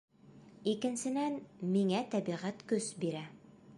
Икенсенән, миңә тәбиғәт көс бирә.